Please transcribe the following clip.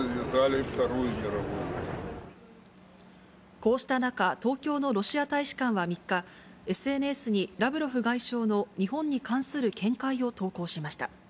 こうした中、東京のロシア大使館は３日、ＳＮＳにラブロフ外相の日本に関する見解を投稿しました。